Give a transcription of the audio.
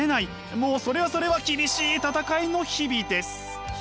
もうそれはそれは厳しい戦いの日々です。